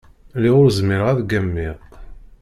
Lliɣ ur zmireɣ ad ggamiɣ.